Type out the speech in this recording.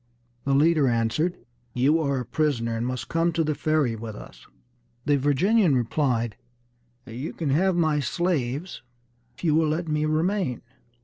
The leader answered, "You are our prisoner, and must come to the Ferry with us." The Virginian replied, "You can have my slaves, if you will let me remain."